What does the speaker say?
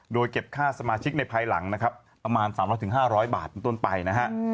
โดยเก็บค่าสมาชิกในภายหลังนะครับประมาณ๓๐๐๕๐๐บาทเป็นต้นไปนะฮะ